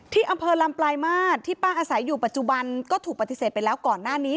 ที่อำเภอลำปลายมาตรที่ป้าอาศัยอยู่ปัจจุบันก็ถูกปฏิเสธไปแล้วก่อนหน้านี้